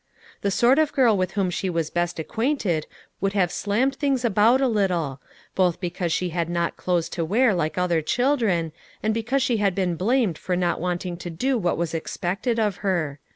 The sort of girl with whom she was best acquainted would have slammed things about a little ; both because she had not clothes to wear like other children, and because she had been blamed for not wanting to do what was expected of her.